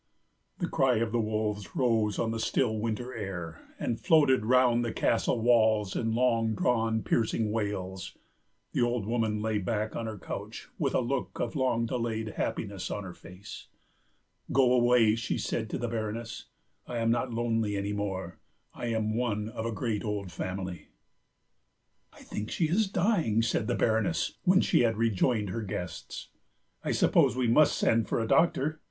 The cry of the wolves rose on the still winter air and floated round the castle walls in long drawn piercing wails; the old woman lay back on her couch with a look of long delayed happiness on her face. "Go away," she said to the Baroness; "I am not lonely any more. I am one of a great old family ..." "I think she is dying," said the Baroness when she had rejoined her guests; "I suppose we must send for a doctor.